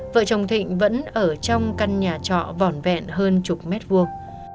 vợ chồng thịnh vẫn ở trong căn nhà trọ vỏn vẹn hơn chục mét vuông